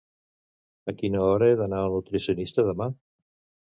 A quina hora he d'anar al nutricionista demà?